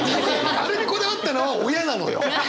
あれにこだわったのは親なのよ！